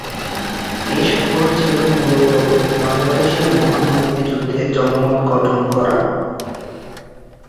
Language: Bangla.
এ সফর ছিল মূলতঃ বাংলাদেশের মহান মুক্তিযুদ্ধে জনমত গঠন করা।